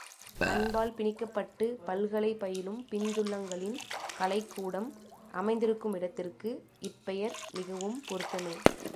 அன்பால் பிணிக்கப்பட்டுப் பல்கலை பயிலும் பிஞ்சுள்ளங்களின் கலைக் கூடம் அமைந்திருக்குமிடத்திற்கு இப்பெயர் மிகவும் பொருத்தமே.